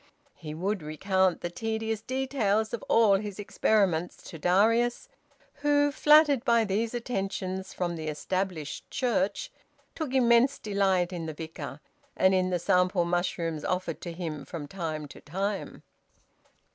He would recount the tedious details of all his experiments to Darius, who, flattered by these attentions from the Established Church, took immense delight in the Vicar and in the sample mushrooms offered to him from time to time.